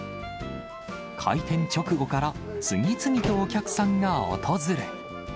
開店直後から次々とお客さんが訪れ。